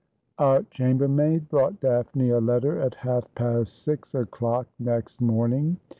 A criAsiBEKMAiD brought Daphne a letter at half past six o'clock next morning.